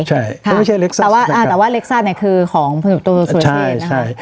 ใช่ไม่ใช่เล็กซัสแต่ว่าอ่าแต่ว่าเล็กซัสเนี้ยคือของตัวสุรเชษฐ์นะครับใช่ใช่